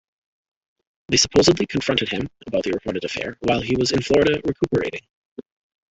They supposedly confronted him about the reported affair while he was in Florida recuperating.